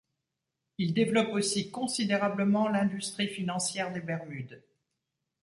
Il développe aussi considérablement l'industrie financière des Bermudes.